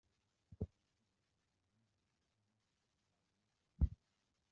Rafiki ati, “Ubu ndigukora cyane kabisa.